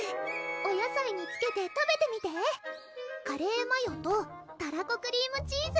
お野菜につけて食べてみてカレーマヨとたらこクリームチーズ